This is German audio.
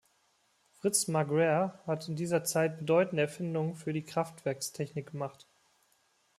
Fritz Marguerre hat in dieser Zeit bedeutende Erfindungen für die Kraftwerkstechnik gemacht.